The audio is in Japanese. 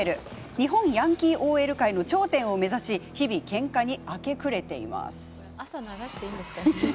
日本ヤンキーＯＬ界の頂点を目指し、日々けんかに明け暮れています。